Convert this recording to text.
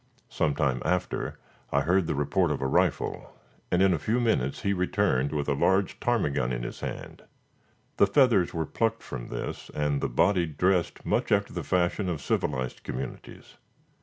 Some time after I heard the report of a rifle, and in a few minutes he returned with a large ptarmigan in his hand. The feathers were plucked from this, and the body dressed much after the fashion of civilized communities.